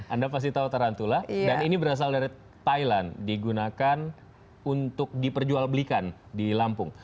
anda pasti tahu tarantula dan ini berasal dari thailand digunakan untuk diperjualbelikan di lampung